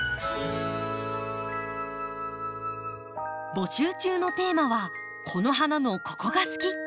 募集中のテーマは「この花のここが好き！」。